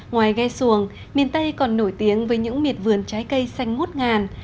ngoài ghe xuồng miền tây còn nổi tiếng với những miệt vườn trái cây xanh ngút ngàn